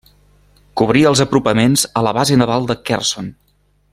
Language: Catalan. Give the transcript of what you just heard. Cobria els apropaments a la base naval a Kherson.